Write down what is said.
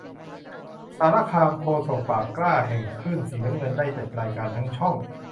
สารคาม โฆษกปากกล้าแห่งคลื่นสีน้ำเงิน ได้จัดรายการทั้งช่อง